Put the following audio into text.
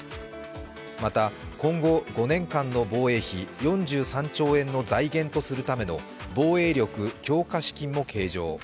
また、今後５年間の防衛費４３兆円の財源とするための防衛力強化資金も計上。